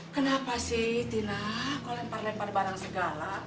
kenapa sih tina kok lempar lempar barang segala